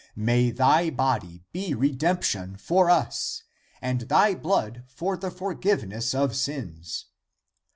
May thy body be redemption for us, and thy blood for the forgive ness of sins